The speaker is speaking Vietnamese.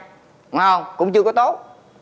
đúng không cũng chưa có tốt